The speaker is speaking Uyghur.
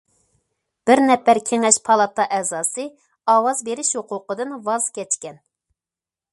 بىر نەپەر كېڭەش پالاتا ئەزاسى ئاۋاز بېرىش ھوقۇقىدىن ۋاز كەچكەن.